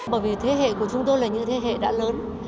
bởi vì thế hệ của chúng tôi là những thế hệ đã lớn